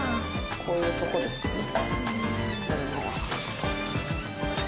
こういうとこですかねやるのは。